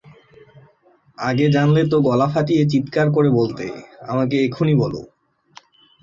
আগে জানলে তো গলা ফাটিয়ে চিৎকার করে বলতে, আমাকে এখনই বল।